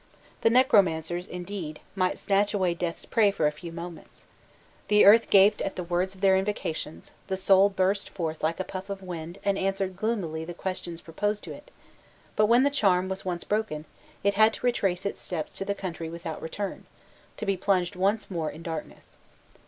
The necromancers, indeed, might snatch away death's prey for a few moments. The earth gaped at the words of their invocations, the soul burst forth like a puff of wind and answered gloomily the questions proposed to it; but when the charm was once broken, it had to retrace its steps to the country without return, to be plunged once more in darkness.